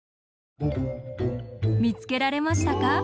みつけられましたか？